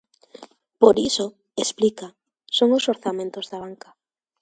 Por iso, explica, "son os orzamentos da banca".